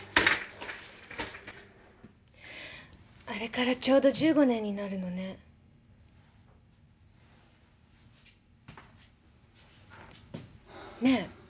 あれからちょうど１５年になるのね。ねぇ。